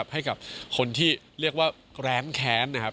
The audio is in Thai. ให้กับคนที่เรียกว่าแร้งแค้น